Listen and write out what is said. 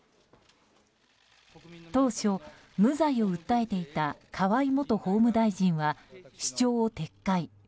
当初、無罪を訴えていた河井元法務大臣は主張を撤回。